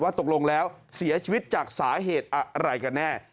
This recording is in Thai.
ตกลงแล้วเสียชีวิตจากสาเหตุอะไรกันแน่